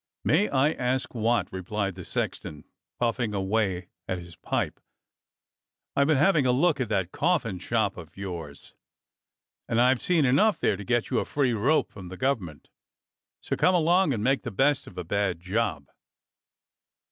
"May I ask what.^" replied the sexton, puffing away at his pipe. I've been having a look at that coffin shop of yours, and I've seen enough there to get you a free rope from the government; so come along and make the best of a bad job."